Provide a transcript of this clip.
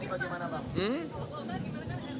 kalau nanti rk juga salah satunya